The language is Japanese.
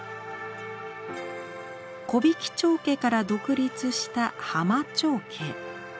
「木挽町家」から独立した「浜町家」。